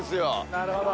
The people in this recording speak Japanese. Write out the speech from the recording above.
なるほど。